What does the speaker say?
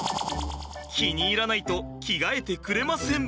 気に入らないと着替えてくれません。